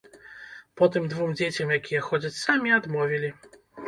Потым двум дзецям, якія ходзяць самі, адмовілі.